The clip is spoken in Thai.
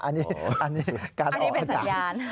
อันนี้เป็นสัญญาณ